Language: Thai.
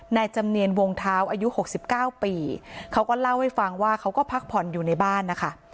จำเนียนวงเท้าอายุ๖๙ปีเขาก็เล่าให้ฟังว่าเขาก็พักผ่อนอยู่ในบ้านนะคะ